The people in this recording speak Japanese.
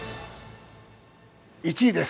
１位です。